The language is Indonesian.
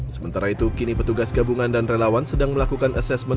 sementara itu kini petugas gabungan dan relawan sedang melakukan asesmen